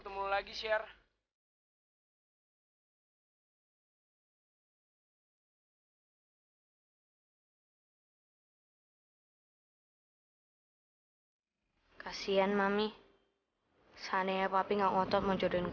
ternyata dia gak diculik